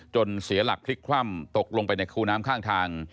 เสียหลักพลิกคว่ำตกลงไปในคูน้ำข้างทาง